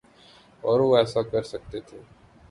اور وہ ایسا کر سکتے تھے۔